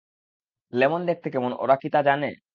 Lemon দেখতে কেমন ওরা কি তা জানে?